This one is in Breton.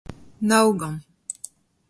naogont